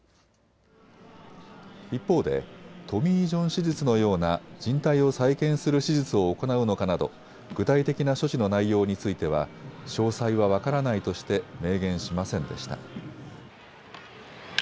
一方でトミー・ジョン手術のようなじん帯を再建する手術を行うのかなど具体的な処置の内容については詳細は分からないとして明言しませんでした。